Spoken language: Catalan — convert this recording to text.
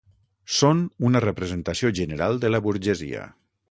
Són una representació general de la burgesia.